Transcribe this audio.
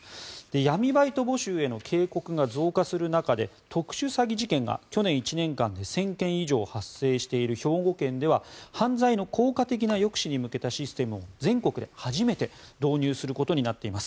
闇バイト募集への警告が増加する中で特殊詐欺事件が去年１年間で１０００件以上発生している兵庫県では犯罪の効果的な抑止に向けたシステムを全国で初めて導入することになっています。